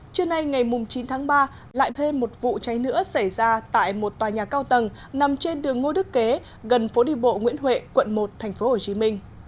trưa nay ngày chín tháng ba lại thêm một vụ cháy nữa xảy ra tại một tòa nhà cao tầng nằm trên đường ngô đức kế gần phố đi bộ nguyễn huệ quận một tp hcm